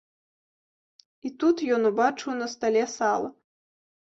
І тут ён убачыў на стале сала.